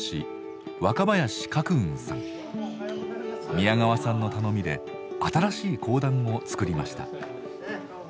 宮川さんの頼みで新しい講談を作りました。